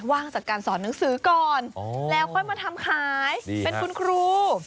ว่างจากการสอนหนังสือก่อนแล้วค่อยมาทำขายเป็นคุณครู